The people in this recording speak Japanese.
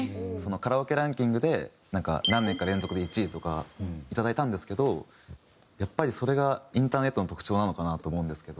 カラオケランキングで何年か連続で１位とかいただいたんですけどやっぱりそれがインターネットの特徴なのかなと思うんですけど。